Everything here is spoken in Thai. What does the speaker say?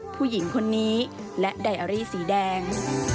ผู้หญิงคนนี้และไดอารี่สีแดง